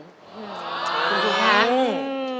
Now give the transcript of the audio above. คุณครูคะ